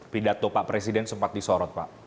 pidato pak presiden sempat disorot pak